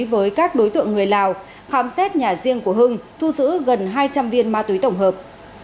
với các đối tượng người lào khám xét nhà riêng của hưng thu giữ gần hai trăm linh viên ma túy tổng hợp